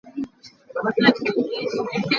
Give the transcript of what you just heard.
Kan inn a nuamhnak cu tlangbo cungah a um caah a si.